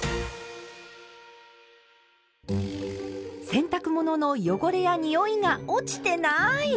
洗濯物の汚れやにおいが落ちてない！